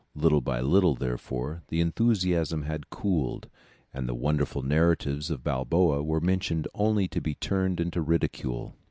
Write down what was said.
Little by little, therefore, the enthusiasm had cooled, and the wonderful narratives of Balboa were mentioned only to be turned into ridicule.